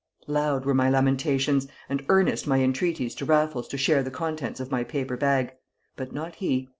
Loud were my lamentations, and earnest my entreaties to Raffles to share the contents of my paper bag; but not he.